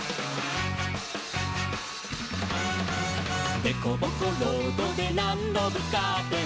「でこぼこロードでなんどぶつかっても」